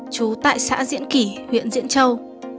chú tại xã diễn kỷ huyện diễn châu